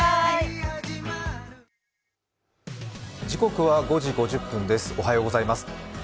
時刻は５時５０分です、おはようございます。